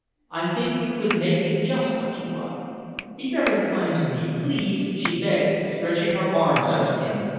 I think you could make me just what you want. Be very kind to me, please," she begged, stretching her arms out to him.